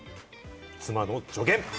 妻の助言。